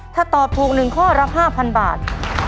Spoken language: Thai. ถ้าตอบถูก๑ข้อรับ๕๐๐บาท